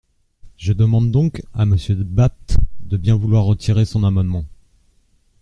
Je demande donc à Monsieur Bapt de bien vouloir retirer son amendement.